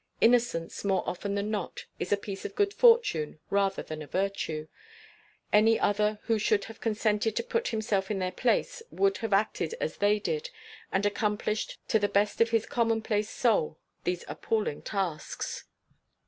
Innocence more often than not is a piece of good fortune rather than a virtue; any other who should have consented to put himself in their place would have acted as they did and accomplished to the best of his commonplace soul these appalling tasks.